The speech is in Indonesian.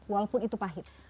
walaupun itu pahit